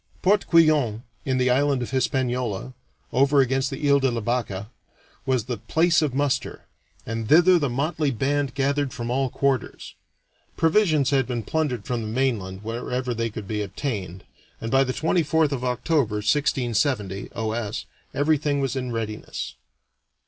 Port Couillon, in the island of Hispaniola, over against the Ile de la Vache, was the place of muster, and thither the motley band gathered from all quarters. Provisions had been plundered from the mainland wherever they could be obtained, and by the 24th of October, 1670 (O. S.), everything was in readiness.